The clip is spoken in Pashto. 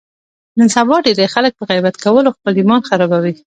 نن سبا ډېری خلک په غیبت کولو خپل ایمان خرابوي.